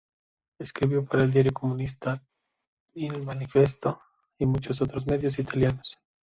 Escribió para el diario comunista "Il manifesto" y muchos otros medios italianos.